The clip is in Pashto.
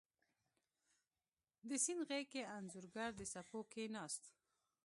د سیند غیږ کې انځورګر د څپو کښېناست